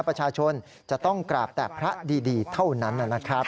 ประชาชนจะต้องกราบแต่พระดีเท่านั้นนะครับ